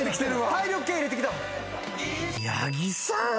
体力系入れてきた。